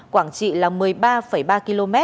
quảng trị là một mươi ba ba km